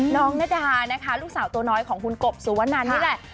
ณดานะคะลูกสาวตัวน้อยของคุณกบสุวนันนี่แหละ